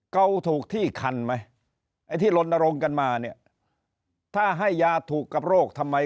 เกาถูกที่คันไหมไอ้ที่ลนรงค์กันมาเนี่ยถ้าให้ยาถูกกับโรคทำไม